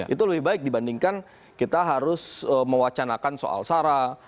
itu lebih baik dibandingkan kita harus mewacanakan soal sarah